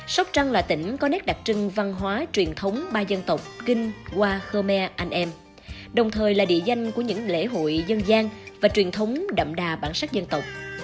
sóc trăng là tỉnh có nét đặc trưng văn hóa truyền thống ba dân tộc kinh hoa khơ me anh em đồng thời là địa danh của những lễ hội dân gian và truyền thống đậm đà bản sắc dân tộc